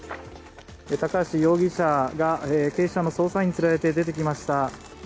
高橋容疑者が警視庁の捜査員に連れられて出てきました。